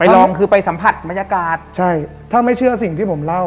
อเจมส์ใช่ถ้าไม่เชื่อสิ่งที่ผมเล่า